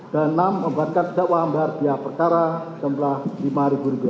dan enam membuatkan dakwa hambar di perkara jumlah rp lima